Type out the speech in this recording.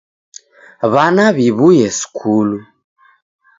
W'ana w'iw'uye skulu!